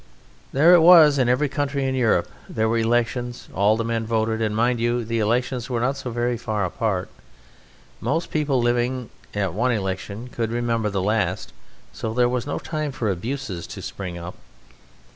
There it was in every country in Europe; there were elections; all the men voted. And mind you, the elections were not so very far apart. Most people living at one election could remember the last, so there was no time for abuses to spring up....